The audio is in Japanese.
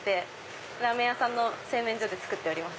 ラーメン屋さんの製麺所で作ってます。